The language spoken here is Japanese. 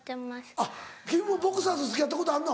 あっ君もボクサーと付き合ったことあるの？